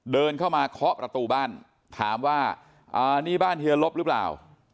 เดินเข้ามาเคาะประตูบ้านถามว่านี่บ้านเฮียลบหรือเปล่า